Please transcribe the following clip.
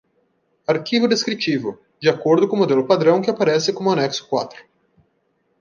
Arquivo descritivo, de acordo com o modelo padrão que aparece como anexo quatro.